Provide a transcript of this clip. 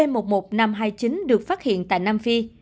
b một một năm trăm hai mươi chín được phát hiện tại nam phi